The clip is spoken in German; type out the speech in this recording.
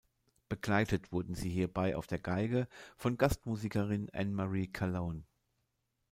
Begleitet wurden sie hierbei auf der Geige von Gastmusikerin Ann-Marie Calhoun.